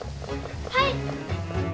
はい！